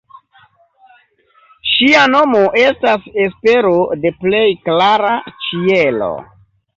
Ŝia nomo estas espero de plej klara ĉielo.